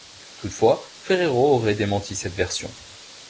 Toutefois, Ferrero aurait démenti cette version.